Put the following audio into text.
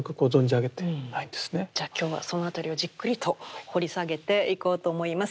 じゃあ今日はそのあたりをじっくりと掘り下げていこうと思います。